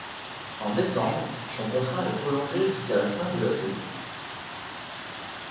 En décembre, son contrat est prolongé jusqu'à la fin de la saison.